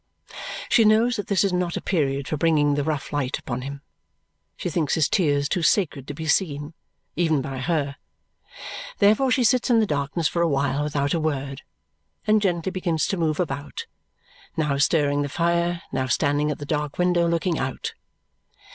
She knows that this is not a period for bringing the rough light upon him; she thinks his tears too sacred to be seen, even by her. Therefore she sits in the darkness for a while without a word, then gently begins to move about, now stirring the fire, now standing at the dark window looking out.